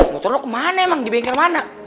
motor lo kemana emang di bengkel mana